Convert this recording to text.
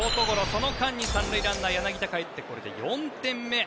その間に３塁ランナー柳田がかえって４点目。